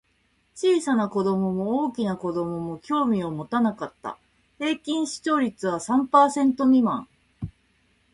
小さな子供も大きな子供も興味を持たなかった。平均視聴率は三パーセント未満。